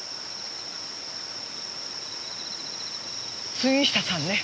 杉下さんね